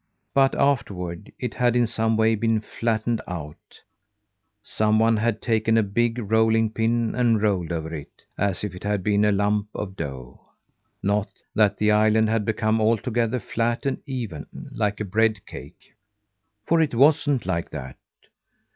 But afterward, it had in some way been flattened out. Someone had taken a big rolling pin and rolled over it, as if it had been a lump of dough. Not that the island had become altogether flat and even, like a bread cake, for it wasn't like that.